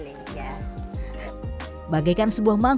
kami akan jumpa di video selanjutnya